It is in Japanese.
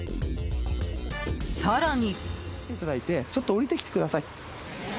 更に。